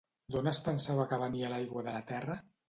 D'on es pensava que venia l'aigua de la Terra?